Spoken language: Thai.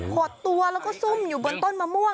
หดตัวแล้วก็ซุ่มอยู่บนต้นมะม่วง